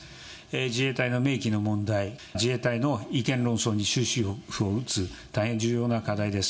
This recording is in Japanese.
自衛隊の明記の問題、自衛隊の違憲論争に終止符を打つ、大変重要な課題です。